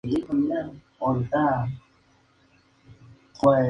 Este trabajo fue premiado con el al mejor lanzamiento dance del año.